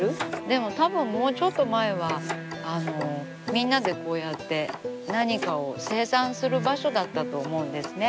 でもたぶんもうちょっと前はみんなでこうやって何かを生産する場所だったと思うんですね。